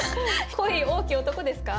恋多き男ですか？